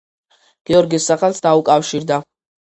გიორგის სახელს დაუკავშირდა.